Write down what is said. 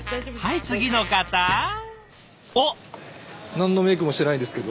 何のメークもしてないですけど。